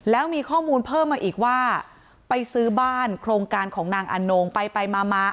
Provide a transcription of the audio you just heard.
แล้วมีข้อมูลเพิ่มมาอีกว่าไปซื้อบ้านโครงการของนางอนงไปไปมามา